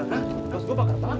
tugas gue bakar bakar